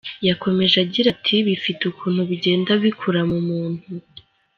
Yakomeje agira ati “Bifite ukuntu bigenda bikura mu muntu.